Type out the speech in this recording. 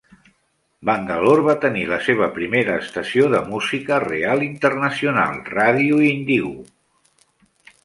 Bangalore va tenir la seva primera estació de música real internacional, Ràdio Indigo.